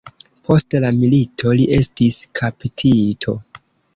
Post la milito li estis kaptito.